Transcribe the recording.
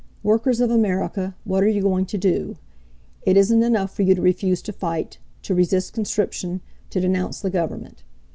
Workers of America, what are you going to do? It isn't enough for you to refuse to fight, to resist conscription, to denounce the Government.